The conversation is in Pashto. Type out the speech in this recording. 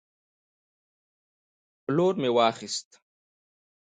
لور مې واخیست